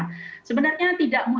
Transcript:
mas elvan menyebut bisa saja perbu